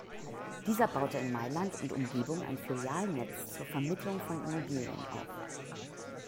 Dieser baute in Mailand und Umgebung ein Filialnetz zur Vermittlung von Immobilien auf.